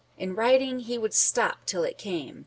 In writing he would stop till it came.